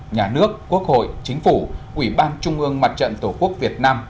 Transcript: nhà nước quốc hội chính phủ ủy ban trung ương mặt trận tổ quốc việt nam